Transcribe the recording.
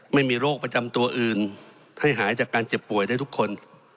ไม่มีโรคประจำตัวอื่นให้หายจากการเจ็บป่วยได้ทุกคน